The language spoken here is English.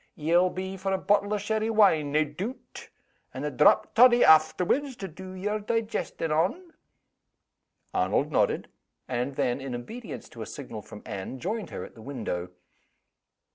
Ye'll be for a bottle o' sherry wine, nae doot? and a drap toddy afterwards, to do yer digestin' on?" Arnold nodded and then, in obedience to a signal from Anne, joined her at the window.